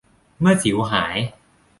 เมื่อสิวหาย